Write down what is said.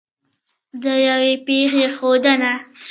د یوې پېښې ښودنه